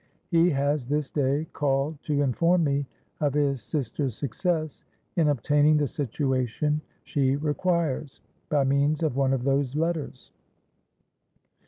He has this day called to inform me of his sister's success in obtaining the situation she requires, by means of one of those letters.'